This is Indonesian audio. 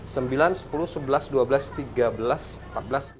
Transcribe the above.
sembilan sepuluh sebelas dua belas tiga belas empat belas